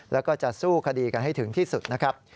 แล้วก็จะสู้คดีกันให้ถึงที่สุดนะครับ